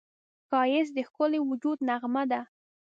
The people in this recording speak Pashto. ښایست د ښکلي وجود نغمه ده